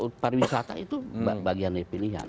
tempat wisata itu bagian dari pilihan